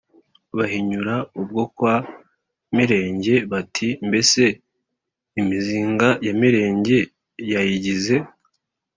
bahinyura ubwo kwa Mirenge bati: “Mbese imizinga ya Mirenge yayigize